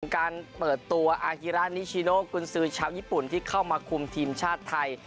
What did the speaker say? การเปิดตัวอาฮิระนิชิโนกุญสือชาวญี่ปุ่นที่เข้ามาคุมทีมชาติไทย